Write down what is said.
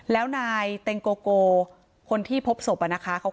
แล้วนายเต็งโกโกคนที่พบศพอะนะคะเขาเข้าไปดักนก